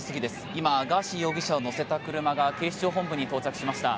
今、ガーシー容疑者を乗せた車が警視庁本部に到着しました。